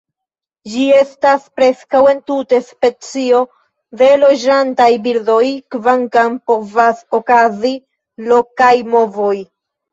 Ĝi estas preskaŭ entute specio de loĝantaj birdoj, kvankam povas okazi lokaj movoj.